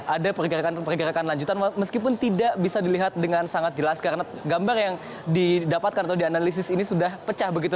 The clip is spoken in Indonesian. ada pergerakan pergerakan lanjutan meskipun tidak bisa dilihat dengan sangat jelas karena gambar yang didapatkan atau dianalisis ini sudah pecah begitu